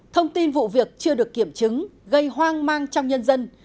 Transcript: thông tin vụ việc chưa được kiểm chứng gây hoang mang trong nhân dân